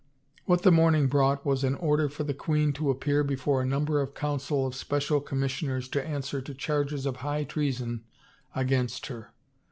What the morning brought was an order for the queen to appear before a number of a council of special com missioners to answer to charges of high treason against her.